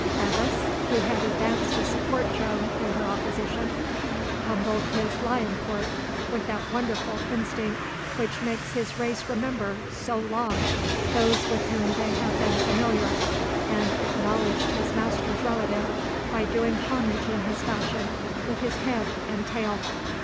Bevis, who had advanced to support Joan in her opposition, humbled his lion port, with that wonderful instinct which makes his race remember so long those with whom they have been familiar, and acknowledged his master's relative, by doing homage in his fashion, with his head and tail.